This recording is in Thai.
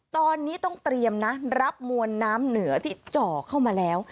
ตอนนี้ต้องเตรียมนะรับมวลน้ำเหนือที่เจาะเข้ามาแล้ว